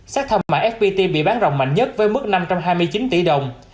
xét theo mạng fpt bị bán rộng mạnh nhất với mức năm trăm hai mươi chín tỷ đồng